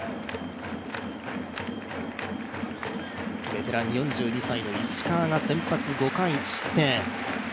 ベテラン、４２歳の石川が先発５回１失点。